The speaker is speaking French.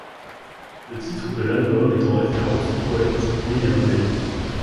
Le titre de l'album est en référence au poète William Blake.